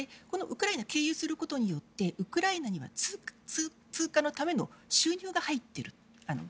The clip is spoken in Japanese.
ウクライナを経由することによってウクライナには通過のための収入が入っている。